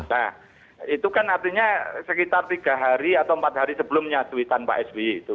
nah itu kan artinya sekitar tiga hari atau empat hari sebelumnya cuitan pak sby itu